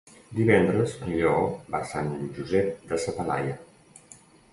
Divendres en Lleó va a Sant Josep de sa Talaia.